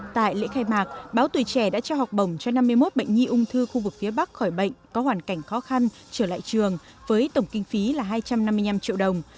tại lễ khai mạc báo tùy trẻ đã trao học bổng cho năm mươi một bệnh nhi ung thư khu vực phía bắc khỏi bệnh có hoàn cảnh khó khăn trở lại trường với tổng kinh phí là hai trăm năm mươi năm triệu đồng